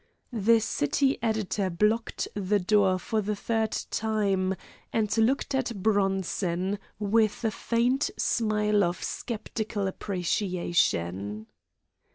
The city editor blocked the door for the third time, and looked at Bronson with a faint smile of sceptical appreciation.